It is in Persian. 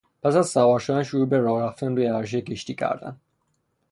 پس از سوار شدن، شروع به راه رفتن روی عرشهی کشتی کردند.